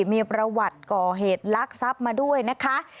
มีประวัติก่อเหตุลักษัตริย์ซับมาด้วยนะคะ